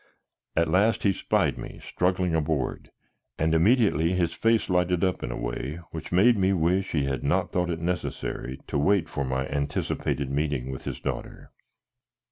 At last he spied me struggling aboard, and immediately his face lighted up in a way which made me wish he had not thought it necessary to wait for my anticipated meeting with his daughter.